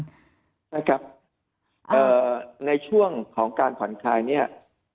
ใช่ครับในช่วงของการผ่อนคลาย